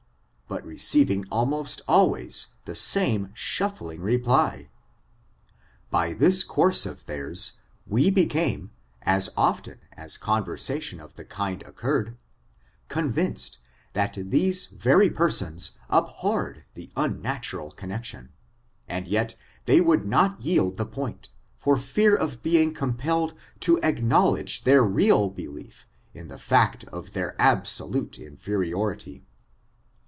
— but receiving almost always the same shuffling reply. By this course of theirs, we became, as often as conversation of the kind occurred, convinced that these very per sons abhorred the unnatural connection; and yet they would not yield the point, for fear of being com pelled to acknowledge their real belief in the fact of their absolute inferiority.